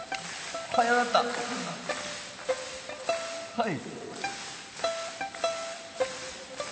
はい！